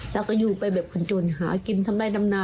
ลูกชายได้